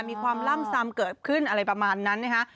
มีความล่ำซำเกิดขึ้นอะไรประมาณนั้นนะคะ